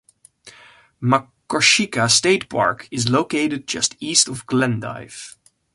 Makoshika State Park is located just east of Glendive.